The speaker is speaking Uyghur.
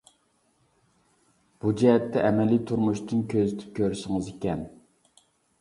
بۇ جەھەتتە ئەمەلىي تۇرمۇشتىن كۆزىتىپ كۆرسىڭىز ئىكەن.